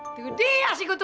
itu dia si kutu kupu